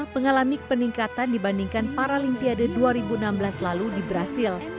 mengalami peningkatan dibandingkan paralimpiade dua ribu enam belas lalu di brazil